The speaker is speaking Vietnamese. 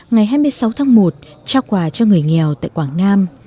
ngày hai mươi sáu tháng một trao quà cho người nghèo tại quảng nam